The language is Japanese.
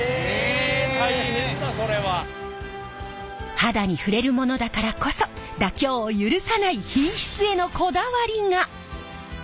肌に触れるものだからこそ妥協を許さない品質へのこだわりが！